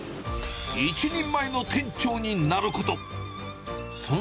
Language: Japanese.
一人前の店長になること。